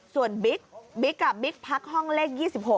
ส่วนบิ๊กบิ๊กพักห้องเลข๒๖